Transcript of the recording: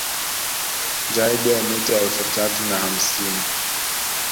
Jaeger mita elfu tatu na hamsini